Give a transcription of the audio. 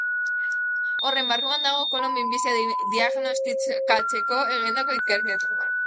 Horren barruan dago kolon minbizia diagnostikatzeko egindako ikerketa.